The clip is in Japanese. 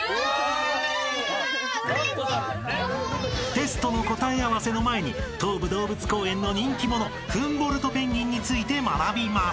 ［テストの答え合わせの前に東武動物公園の人気者フンボルトペンギンについて学びます］